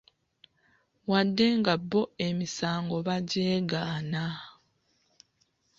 Wadde nga bo emisango bagyegaana.